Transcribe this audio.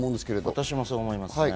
私もそう思います。